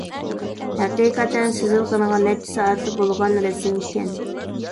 ھەقىقەتەن سىزىلغىنىغا نەچچە سائەتلا بولغان رەسىم ئىكەن.